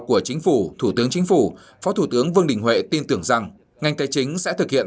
của chính phủ thủ tướng chính phủ phó thủ tướng vương đình huệ tin tưởng rằng ngành tài chính sẽ thực hiện